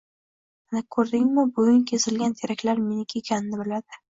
Ana, koʻrdingmi, buving kesilgan teraklar meniki ekanini biladi.